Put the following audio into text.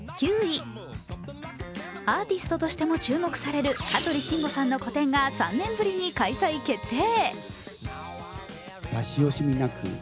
アーティストとしても注目される香取慎吾さんの個展が３年ぶりに開催決定。